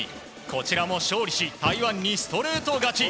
こちらも勝利し台湾にストレート勝ち。